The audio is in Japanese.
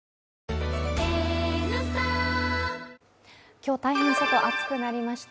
今日、大変外暑くなりました。